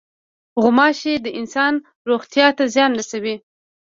غوماشې د انسان روغتیا ته زیان رسوي.